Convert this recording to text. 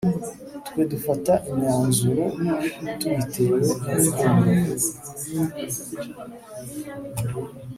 twe dufata imyanzuro tubitewe n'urukundo